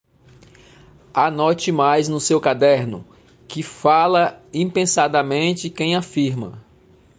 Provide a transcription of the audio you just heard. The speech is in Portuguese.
Anote mais no seu caderno: que fala impensadamente quem afirma